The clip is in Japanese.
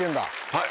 はい。